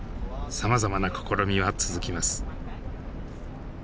さまざまな試みは続きます。